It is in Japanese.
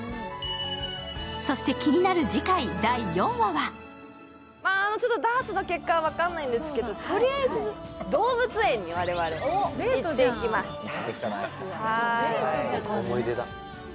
そして気になる次回、第４話はダーツの結果は分からないんですけど、とりあえず動物園に我々行ってきました。